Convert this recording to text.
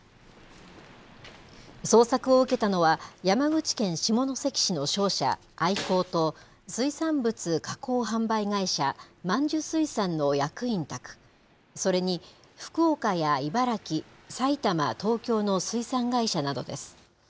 捜索を受けたのは、山口県下関市の商社、アイコーと、水産物加工販売会社、満珠水産の役員宅、それに福岡や茨城、埼玉、東京の水産会社などです。